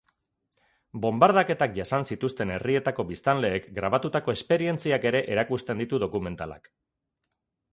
Bonbardaketak jasan zituzten herrietako biztanleek grabatutako esperientziak ere erakusten ditu dokumentalak.